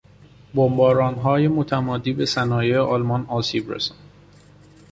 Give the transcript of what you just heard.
بمبارانهای متمادی به صنایع آلمان آسیب رساند.